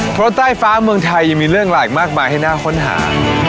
เพราะใต้ฟ้าเมืองไทยยังมีเรื่องหลายมากมายให้น่าค้นหา